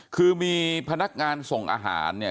คือมีพนักงานส่งอาหารเนี่ย